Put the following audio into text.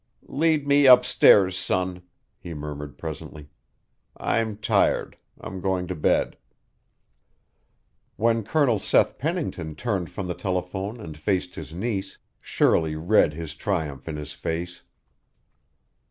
"Lead me upstairs, son," he murmured presently. "I'm tired. I'm going to bed." When Colonel Seth Pennington turned from the telephone and faced his niece, Shirley read his triumph in his face.